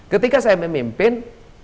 ketika saya memimpin